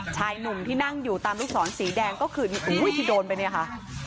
ชายหนุ่มที่นั่งอยู่ตามลูกศรสีแดงก็คือที่โดนไปเนี่ยค่ะ